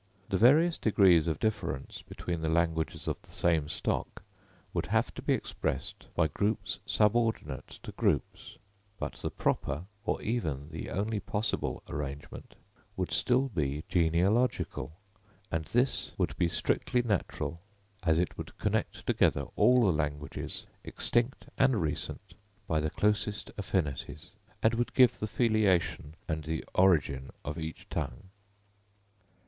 The various degrees of difference between the languages of the same stock would have to be expressed by groups subordinate to groups; but the proper or even the only possible arrangement would still be genealogical; and this would be strictly natural, as it would connect together all languages, extinct and recent, by the closest affinities, and would give the filiation and origin of each tongue.